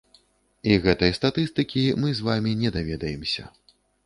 І гэтай статыстыкі мы з вамі не даведаемся.